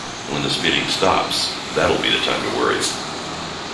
When the spinning stops - that'll be the time to worry.